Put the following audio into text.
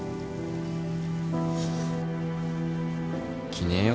着ねえよ。